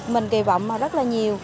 mình kỳ vọng rất là nhiều